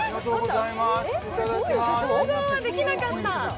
想像できなかった。